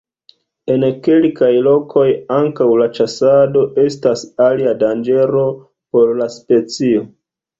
En kelkaj lokoj ankaŭ la ĉasado estas alia danĝero por la specio.